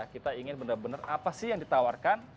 kita ingin benar benar apa sih yang ditawarkan